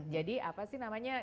jadi apa sih namanya